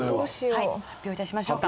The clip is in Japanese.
はい発表いたしましょうか。